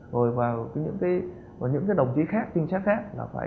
rồi vào những cái đồng chí khác tinh chắc khác là phải